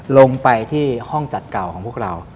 ลงไปที่ห้องจัดเก่าของพวกเรา